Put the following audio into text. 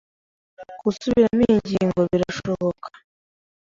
Gusubiramo iyi ngingo birashoboka?